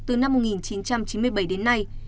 từ năm một nghìn chín trăm chín mươi bảy đến nay